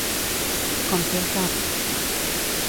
Com té el cap?